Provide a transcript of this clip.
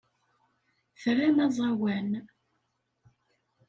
Tram aẓawan.